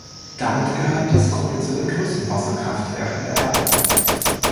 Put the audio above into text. Damit gehört diese Gruppe zu den größten Wasserkraftwerken der Erde.